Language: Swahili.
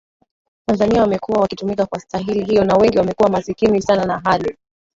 Tanzania wamekuwa wakitumika kwa stahili hiyo na wengi wamekuwa masikini sana na hali